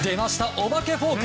お化けフォーク。